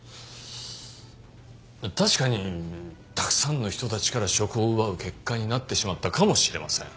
確かにたくさんの人たちから職を奪う結果になってしまったかもしれません。